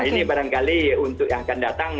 ini barangkali untuk yang akan datang